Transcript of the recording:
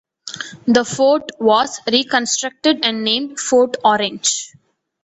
The fort was reconstructed and named Fort Orange.